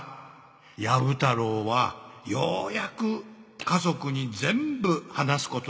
ヤブ太郎はようやく家族に全部話すことにするぞい」